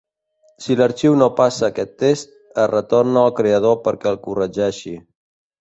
Si l'arxiu no passa aquest test, es retorna al creador perquè el corregeixi.